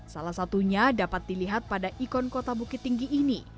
salah satunya dapat dilihat pada ikon kota bukit tinggi ini